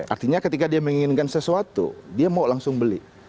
artinya ketika dia menginginkan sesuatu dia mau langsung beli